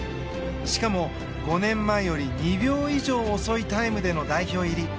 しかも５年前より２秒以上遅いタイムでの代表入り。